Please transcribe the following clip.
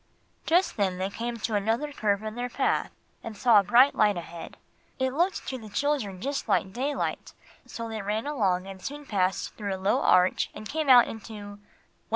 Just then they came to another curve in their path, and saw a bright light ahead. It looked to the children just like daylight; so they ran along and soon passed through a low arch and came out into Well!